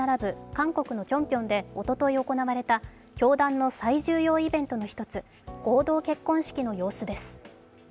韓国のチョンピョンでおととい行われた教団の最重要イベントの一つ、合同結婚式の様子です。